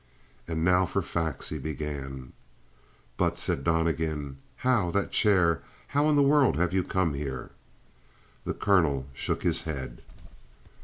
"And now for facts," he began. "But," said Donnegan, "how that chair how in the world have you come here?" The colonel shook his head.